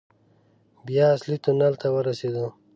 بيا اصلي تونل ته ورسېدو.